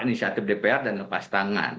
inisiatif dpr dan lepas tangan